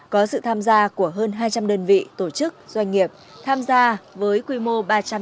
có sự tham gia của hơn hai trăm linh đơn vị tổ chức doanh nghiệp tham gia với quy mô ba trăm năm mươi gian hàng